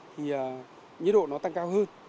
thì nhiệt độ nó tăng cao hơn